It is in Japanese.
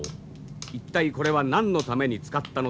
一体これは何のために使ったのだろうか。